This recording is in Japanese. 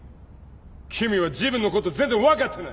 君は自分のこと全然分かってない！